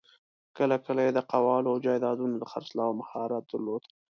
کله کله یې د قوالو او جایدادونو د خرڅلاوو مهارت درلود.